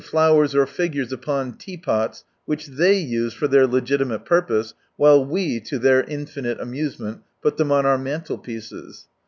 flowers or figures upon teapots, which t/ity use for their legitimate purpose, while we, lo their infinite amusement, put them on our mantelpieces.